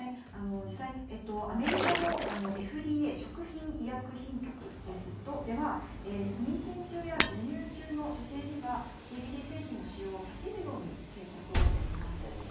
実際アメリカのＦＤＡ・食品医薬品局では妊娠中や授乳中の女性にはＣＢＤ製品の使用を避けるように警告をしています。